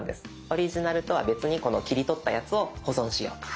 オリジナルとは別にこの切り取ったやつを保存しようと。